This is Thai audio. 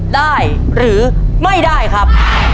ได้หรือไม่ได้ครับ